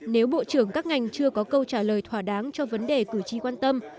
nếu bộ trưởng các ngành chưa có câu trả lời thỏa đáng cho vấn đề cử tri quan tâm